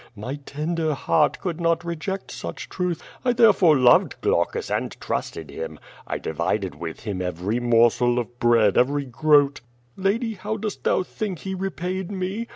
My tender heart could not reject such truth. 1 therefore loved Qlaucus and trusted him. I divided with him every morsel of bread, every groat. Lady how dost thou think he repaid me?